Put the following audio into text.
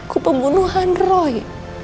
aku pembunuhan roy